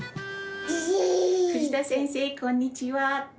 藤田先生こんにちは！